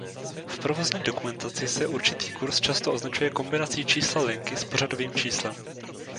V provozní dokumentaci se určitý kurs často označuje kombinací čísla linky s pořadovým číslem.